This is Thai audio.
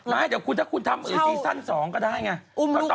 ไม่แต่ว่าคุณทำอย่างอื่นกีสัน๒ก็ได้ไงเค้าอุ่มลูกเพื่อนแล้ว